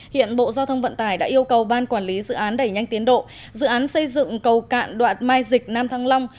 hiện bộ giao thông vận tải đã yêu cầu ban quản lý dự án đẩy nhanh tiến độ dự án xây dựng cầu cạn đoạn mai dịch nam thăng long